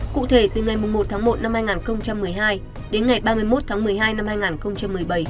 cụ thể từ ngày một tháng một năm hai nghìn một mươi hai đến ngày ba mươi một tháng một mươi hai năm hai nghìn một mươi bảy